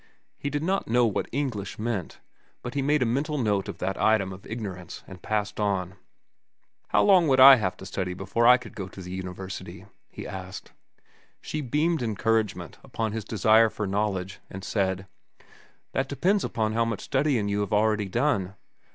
He did not know what "English" meant, but he made a mental note of that item of ignorance and passed on. "How long would I have to study before I could go to the university?" he asked. She beamed encouragement upon his desire for knowledge, and said: "That depends upon how much studying you have already done.